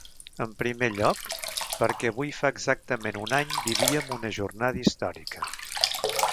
En primer lloc, perquè avui fa exactament un any vivíem una jornada històrica.